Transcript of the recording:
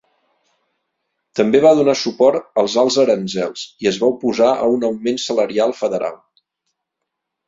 També va donar suport als alts aranzels i es va oposar a un augment salarial federal.